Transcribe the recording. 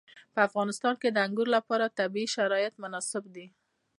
په افغانستان کې د انګور لپاره طبیعي شرایط مناسب دي.